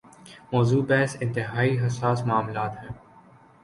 موضوع بحث انتہائی حساس معاملات ہیں۔